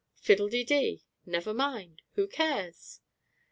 Fiddle de dee! Never mind! Who cares?